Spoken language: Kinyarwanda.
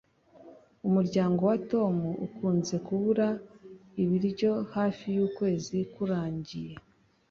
Umuryango wa Tom ukunze kubura ibiryo hafi yukwezi kurangiye.